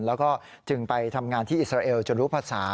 แล้วก็จึงไปทำงานที่อิสราเอลจนรู้ภาษา